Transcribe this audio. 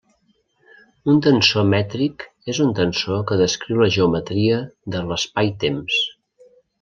Un tensor mètric és un tensor que descriu la geometria de l'espaitemps.